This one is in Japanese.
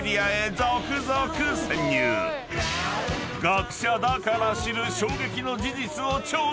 ［学者だから知る衝撃の事実を調査］